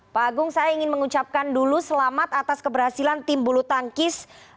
pak agung saya ingin mengucapkan dulu selamat atas keberhasilan tim bulu tangkis